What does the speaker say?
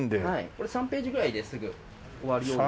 これ３ページぐらいですぐ終わるような。